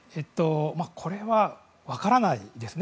これは分からないですね